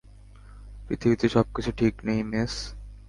পৃথিবীতে সবকিছু ঠিক নেই, মেস।